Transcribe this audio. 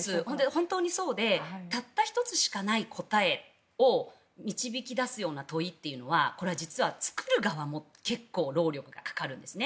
本当にそうでたった１つしかない答えを導き出すような問いというのはこれは実は作る側も結構労力がかかるんですね。